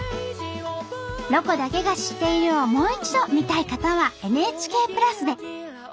「ロコだけが知っている」をもう一度見たい方はＮＨＫプラスで。